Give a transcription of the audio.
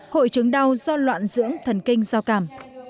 hội chứng đau do loạn dưỡng thần kinh giao cảm